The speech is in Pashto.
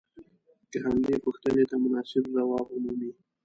که همدې پوښتنې ته مناسب ځواب ومومئ.